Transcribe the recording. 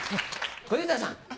小遊三さん。